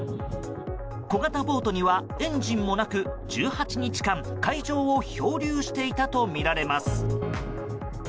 小型ボートにはエンジンもなく１８日間、海上を漂流していたとみられます。